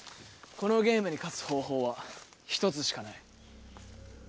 このゲームに勝つ方法は一つしかない。